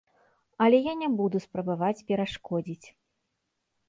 Але я не буду спрабаваць перашкодзіць.